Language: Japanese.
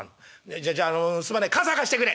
じゃじゃあのすまねえ傘貸してくれ」。